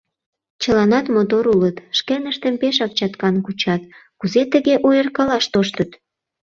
Чыланат мотор улыт, шкеныштым пешак чаткан кучат — кузе тыге ойыркалаш тоштыт?